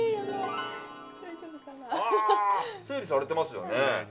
整理されてますよね。